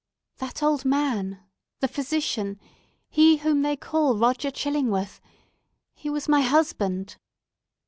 That old man!—the physician!—he whom they call Roger Chillingworth!—he was my husband!"